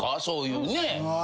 そういうね。